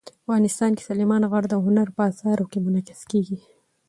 افغانستان کې سلیمان غر د هنر په اثار کې منعکس کېږي.